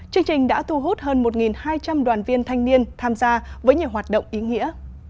chương trình đã thu hút hơn một hai trăm linh đoàn viên thanh niên tham gia với nhiều hoạt động ý nghĩa